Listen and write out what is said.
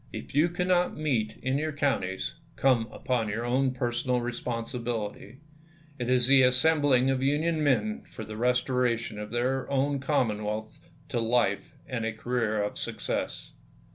.. If you cannot meet in your ^j^^ counties, come upon your own personal responsi on°E^i"n® bility. It is the assembling of Union men for the lim S. restoration of their own Commonwealth to life and congress. a career of success."